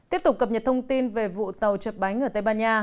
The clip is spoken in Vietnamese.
tiếp tục cập nhật thông tin về vụ tàu chật bánh ở tây ban nha